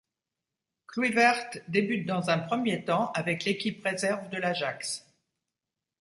Kluivert débute dans un premier temps avec l'équipe réserve de l'Ajax.